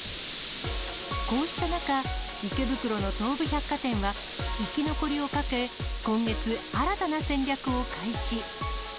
こうした中、池袋の東武百貨店は、生き残りをかけ今月、新たな戦略を開始。